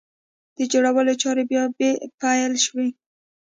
د جوړولو چارې بیا پیل شوې!